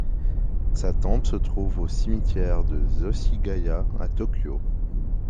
Sa tombe se trouve au cimetière de Zōshigaya à Tokyo.